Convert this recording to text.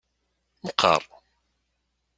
Meqqar.